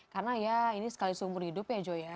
karena ya ini sekali seumur hidup ya joy ya